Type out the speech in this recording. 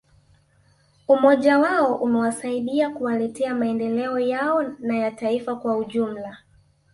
Umoja wao umewasaidia kuwaletea maendeleo yao na ya taifa kwa ujumla